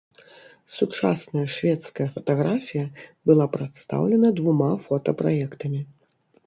Сучасная шведская фатаграфія была прадстаўлена двума фота-праектамі.